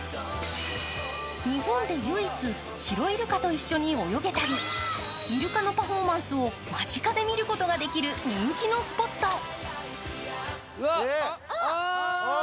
日本で唯一、シロイルカと一緒に泳げたりイルカのパフォーマンスを間近で見ることができる人気のスポット。